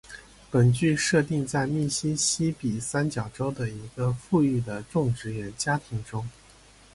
本剧设定在密西西比三角洲的一个富裕的种植园家庭中。